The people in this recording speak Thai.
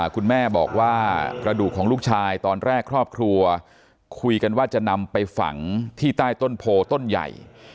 คุณแม่บอกว่ากระดูกของลูกชายตอนแรกครอบครัวคุยกันว่าจะนำไปฝังที่ใต้ต้นโพต้นใหญ่